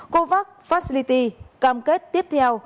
covax facility cam kết tiếp theo